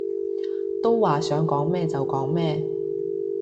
都話想講咩就講咩